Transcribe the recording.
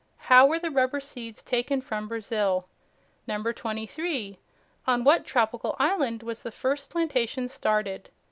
How were the rubber seeds taken from Brazil? 23. On what tropical island was the first plantation started?